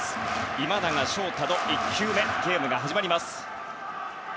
今永昇太の１球でゲームが始まりました。